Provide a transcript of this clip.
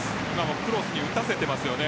クロスに打たせていますよね